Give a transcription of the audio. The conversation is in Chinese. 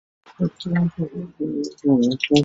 青叶台是东京都目黑区的地名。